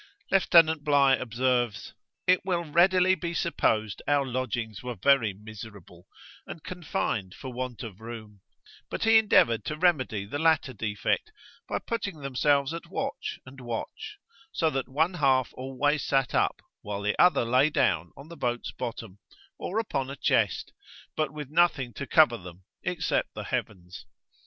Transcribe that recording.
Lieutenant Bligh observes, 'it will readily be supposed our lodgings were very miserable, and confined for want of room'; but he endeavoured to remedy the latter defect, by putting themselves at watch and watch; so that one half always sat up, while the other lay down on the boat's bottom, or upon a chest, but with nothing to cover them except the heavens.